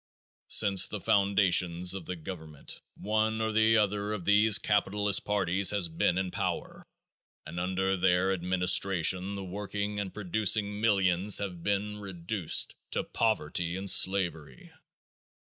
Since the foundation of the government one or the other of these capitalist parties has been in power and under their administration the working and producing millions have been reduced to poverty and slavery.